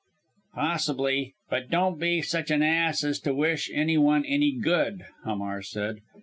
"Possibly but don't be such an ass as to wish any one any good!" Hamar said.